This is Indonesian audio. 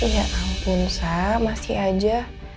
ya ampun saya masih aja